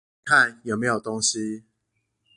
看看有沒有東西